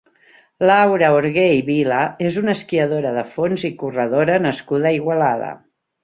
Laura Orgué i Vila és una esquiadora de fons i corredora nascuda a Igualada.